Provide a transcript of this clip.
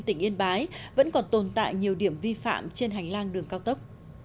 tỉnh yên bái vẫn còn tồn tại nhiều điểm vi phạm trên hành lang đường cao tốc